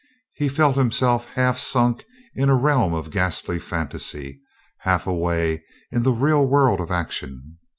He felt himself half sunk in a realm of ghastly fantasy, half away in the real world of ac tion.